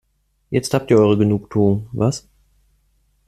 Jetzt habt ihr eure Genugtuung, was?